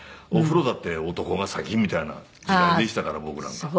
お風呂だって男が先みたいな時代でしたから僕なんか。